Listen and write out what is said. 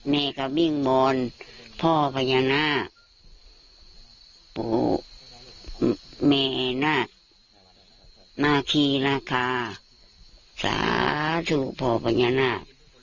เมกะวิ่งบอนพ่อพญานาปุเมนะมาคีระกาสาธุพ่อพญานา